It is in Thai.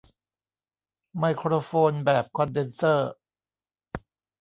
ไมโครโฟนแบบคอนเดนเซอร์